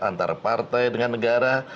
antara partai dengan negara